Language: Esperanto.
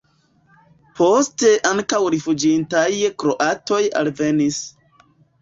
Poste ankaŭ rifuĝintaj kroatoj alvenis.